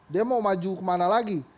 dia mau maju kemana lagi